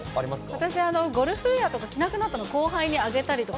私、ゴルフウエアとか着なくなったの、後輩にあげたりとか。